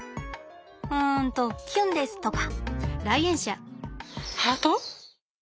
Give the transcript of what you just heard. うんと「きゅんです」とか？